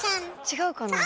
違うかな？